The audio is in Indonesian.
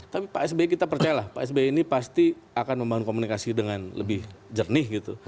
tapi pak sby kita percayalah pak sby ini pasti akan membangun komunikasi dengan lebih jernih gitu